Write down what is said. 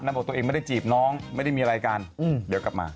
บอกตัวเองไม่ได้จีบน้องไม่ได้มีอะไรกันเดี๋ยวกลับมา